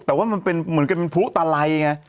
แต่ว่ามันเป็นเหมือนกันเป็นพลุตะไลไง